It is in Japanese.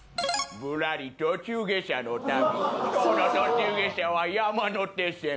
『ぶらり途中下車の旅』今日の途中下車は山手線。